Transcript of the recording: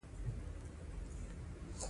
• لور د کور عزت او پت وي.